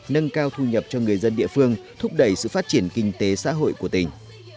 nâng cao thu nhập cho người dân địa phương thúc đẩy sự phát triển kinh tế xã hội của tỉnh